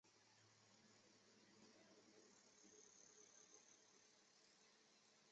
以羽球队和管乐团闻名。